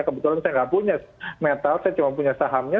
kebetulan saya nggak punya metal saya cuma punya sahamnya